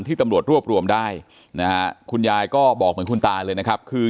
ตำรวจรวบรวมได้นะฮะคุณยายก็บอกเหมือนคุณตาเลยนะครับคือ